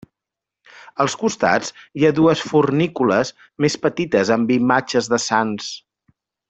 Als costats hi ha dues fornícules més petites amb imatges de sants.